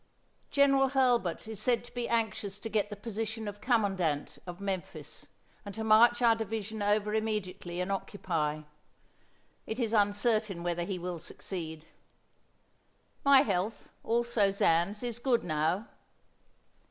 "General Hurlbut is said to be anxious to get the position of commandant of Memphis, and to march our division over immediately and occupy. It is uncertain whether he will succeed. My health, also Zan's, is good now."